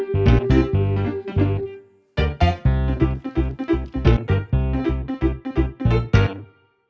tidak ada yang mau mencari